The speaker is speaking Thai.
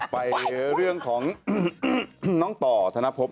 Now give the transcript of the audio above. ไปเรื่องของน้องต่อธนภพ